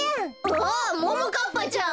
あっももかっぱちゃん。